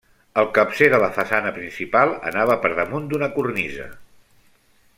El capcer de la façana principal anava per damunt d'una cornisa.